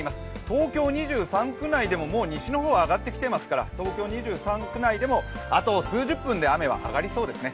東京２３区内はもう西の方は上がってきてますから、東京２３区内でもあと数十分で雨はあがりそうですね。